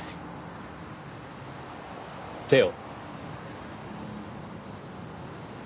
手を。